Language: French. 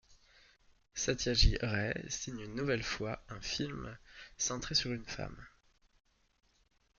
Satyajit Ray signe une nouvelle fois un film centré sur une femme.